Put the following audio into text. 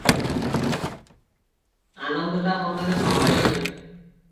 ଆନନ୍ଦଟା ମନରେ ସମ୍ଭାଳି ହେଉ ନାହିଁ ।